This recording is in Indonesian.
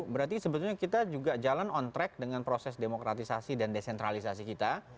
berarti sebetulnya kita juga jalan on track dengan proses demokratisasi dan desentralisasi kita